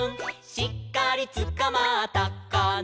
「しっかりつかまったかな」